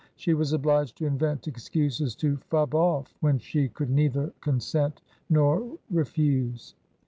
She was obliged to invent excuses to "fub off," when she could neither consent nor refuse.